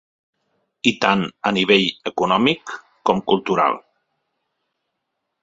I tant a nivell econòmic com cultural.